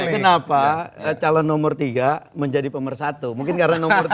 kenapa calon nomor tiga menjadi pemersatu mungkin karena nomor tiga